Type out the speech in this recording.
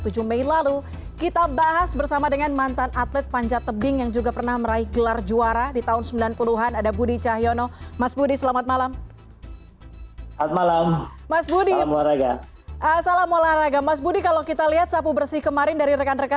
catatannya gimana kalau melihat perkembangannya